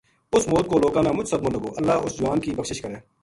اس موت کو لوکاں نا مُچ صدمو لگو اللہ اس جوان کی بخشش کرے